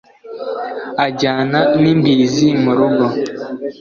Ajyana n' imbizi mu rugo